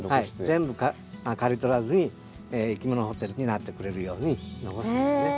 全部刈り取らずにいきものホテルになってくれるように残すんですね。